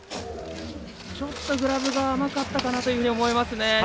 ちょっとグラブが甘かったかなと思いますね。